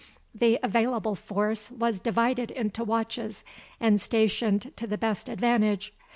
The available force was divided into watches and stationed to the best advantage.